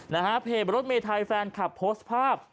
ในเพลงแบบรถเมธายแฟนขับโพสต์ภาพ